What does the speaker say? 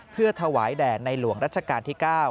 เพื่อถวายแด่ในหลวงรัชกาลที่๙